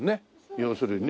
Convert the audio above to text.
要するにね。